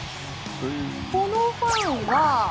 このファンは。